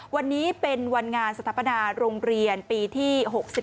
วันนี้เป็นวันงานสถาปนาโรงเรียนปีที่๖๑